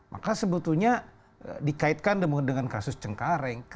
maka sebetulnya dikaitkan dengan kasus cengkareng